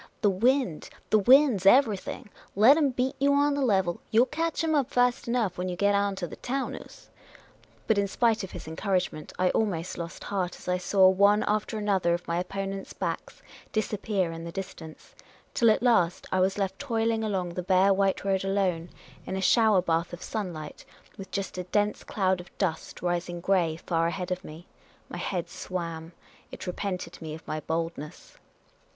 The wind, the wind 's everything. Let 'em beat you on the level ; you '11 catch 'em up fast enough when you get on the Taunus !" But in spite of his encouragement, I almost lost heart as I saw one after another of my opponents' backs disappear in the distance, till at last I was left toiling along the bare white road alone, in a shower bath of sunlight, with just a The Inquisitive American ^3 dense cloud of dust rising grey far ahead of me. My head swam. It repented me of my boldness.